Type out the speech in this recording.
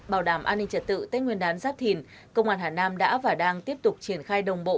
bảo đảm an ninh trật tự tết nguyên đán giáp thìn công an hà nam đã và đang tiếp tục triển khai đồng bộ